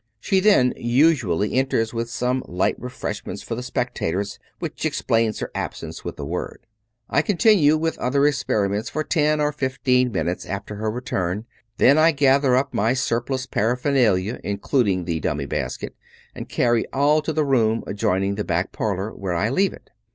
She then usually enters with some light re freshments for the spectators, which explains her^ absence with a word. I continue with other experiments for ten or fifteen minutes after her return; then I gather up my surplus paraphernalia, including the dummy basket, and carry all to the room adjoining the back parlor, where I leave it.